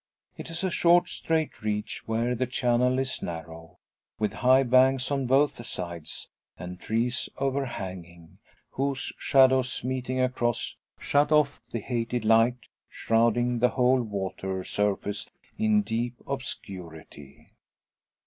It is a short straight reach, where the channel is narrow, with high banks on both sides, and trees overhanging, whose shadows meeting across shut off the hated light, shrouding the whole water surface in deep obscurity.